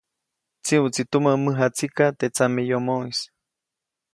Tsiʼuʼtsi tumä mäjatsika teʼ tsameyomoʼis.